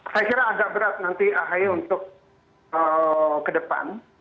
saya kira agak berat nanti ahy untuk ke depan